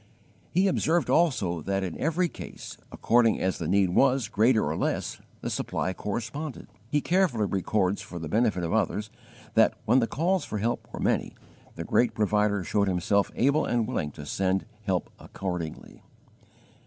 He observed also that in every case, according as the need was greater or less, the supply corresponded. He carefully records for the benefit of others that, when the calls for help were many, the Great Provider showed Himself able and willing to send help accordingly.